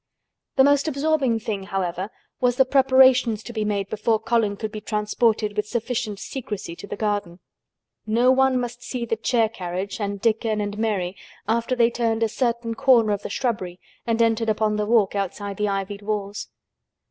The most absorbing thing, however, was the preparations to be made before Colin could be transported with sufficient secrecy to the garden. No one must see the chair carriage and Dickon and Mary after they turned a certain corner of the shrubbery and entered upon the walk outside the ivied walls.